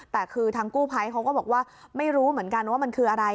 แต่คือทางกู้ภัยเขาก็บอกว่าไม่รู้เหมือนกันว่ามันคืออะไร